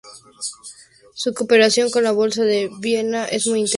Su cooperación con la Bolsa de Viena es muy intensa.